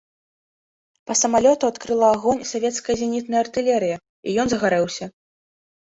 Па самалёту адкрыла агонь савецкая зенітная артылерыя, і ён загарэўся.